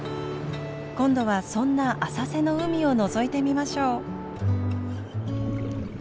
今度はそんな浅瀬の海をのぞいてみましょう。